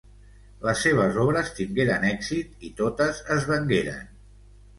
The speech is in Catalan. Les seves obres tingueren èxit i totes es vengueren.